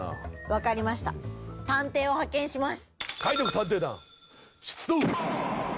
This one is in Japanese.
分かりました探偵を派遣します。